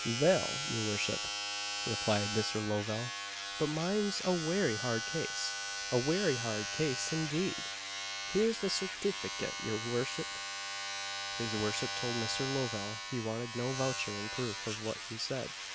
"Vell, your vorship," replied Mr. Lovell, "but mine's a werry hard case a werry hard case, indeed! Here's the certifykit, your vorship." His worship told Mr. Lovell he wanted no voucher in proof of what he said.